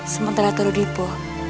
sementara teru dipo